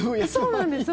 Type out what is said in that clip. そうなんです。